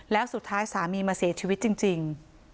แล้วสุดท้ายสามีมาเสียชีวิตจริง